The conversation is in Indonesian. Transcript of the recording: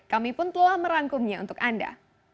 kami pun telah merangkumnya untuk anda